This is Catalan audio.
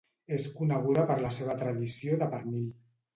És coneguda per la seva tradició de pernil.